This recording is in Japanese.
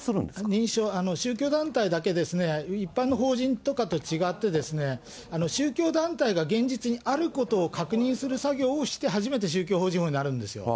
認証、宗教団体だけ、一般の法人とかと違ってですね、宗教団体が現実にあることを確認する作業をして、初めて宗教法人法になるんですよ。